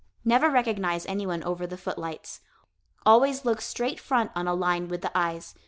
Never recognize anyone over the footlights. Always look straight front on a line with the eyes.